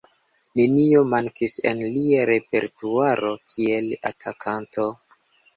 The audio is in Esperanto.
Nenio mankis en lia repertuaro kiel atakanto.